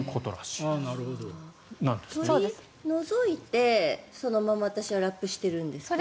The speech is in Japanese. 取り除いてそのまま私はラップしてるんですけど。